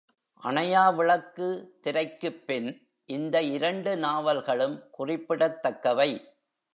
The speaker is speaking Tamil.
அணையாவிளக்கு திரைக்குப்பின் இந்த இரண்டு நாவல்களும் குறிப்பிடத்தக்கவை.